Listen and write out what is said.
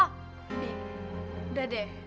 bim udah deh